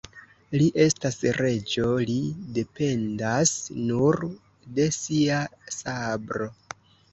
Li estas reĝo, li dependas nur de sia sabro.